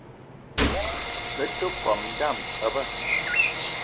Be te kome dame pabe